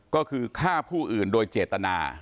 ก็คือฆ่าผู้อื่นโดยเจตนา